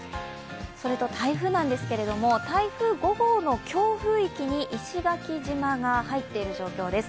それと台風なんですけど台風５号の強風域に石垣島が入っている状況です。